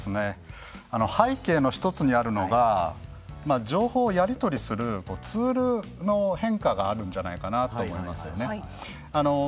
背景の１つにあるのが情報をやり取りするツールの変化があるんじゃないかなと思いますよね。